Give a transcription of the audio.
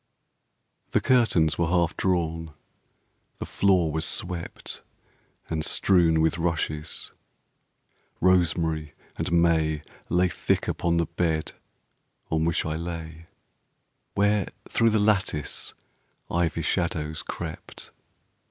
The curtains were half drawn, the floor was swept And strewn with rushes, rosemary and may Lay thick upon the bed on which I lay, Where through the lattice ivy shadows crept.